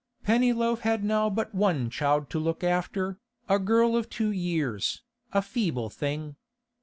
Pennyloaf had now but one child to look after, a girl of two years, a feeble thing.